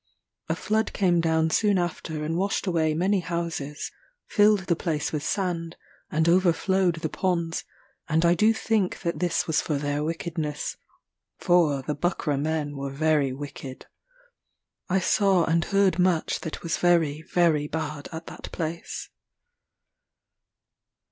A flood came down soon after and washed away many houses, filled the place with sand, and overflowed the ponds: and I do think that this was for their wickedness; for the Buckra men there were very wicked. I saw and heard much that was very very bad at that place. [Footnote 8: Negro term for white people.